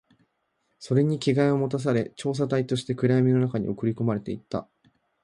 それに着替えを持たされ、調査隊として暗闇の中に送り込まれていった